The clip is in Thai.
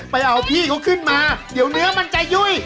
ไปเอาพี่เขาขึ้นมาเดี๋ยวเนื้อมันจะยุ่ย